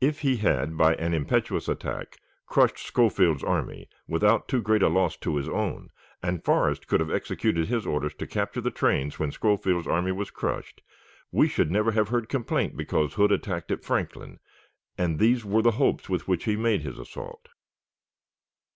If he had, by an impetuous attack, crushed Schofield's army, without too great a loss to his own, and Forrest could have executed his orders to capture the trains when Schofield's army was crushed, we should never have heard complaint because Hood attacked at Franklin, and these were the hopes with which he made his assault.